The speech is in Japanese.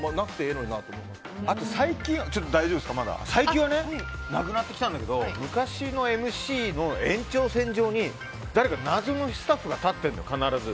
あと、最近はなくなってきたんだけど昔のＭＣの延長線上に誰か謎のスタッフが立ってるの必ず。